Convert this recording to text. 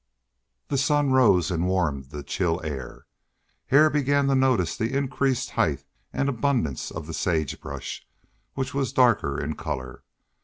The sun rose and warmed the chill air. Hare began to notice the increased height and abundance of the sagebrush, which was darker in color.